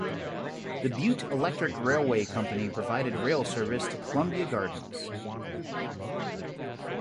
The Butte Electric Railway Company provided rail service to Columbia Gardens.